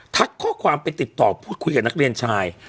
ทักข้อความไปติดต่อพูดคุยกับนักเรียนชาย